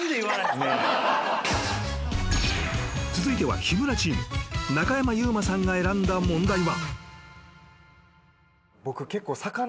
［続いては日村チーム中山優馬さんが選んだ問題は］